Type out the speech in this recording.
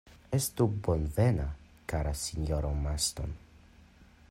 Estu bonvena, kara sinjoro Marston!